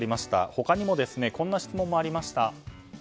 他にもこんな質問がありました。